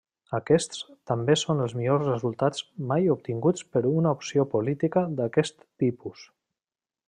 Aquests també són els millors resultats mai obtinguts per una opció política d'aquest tipus.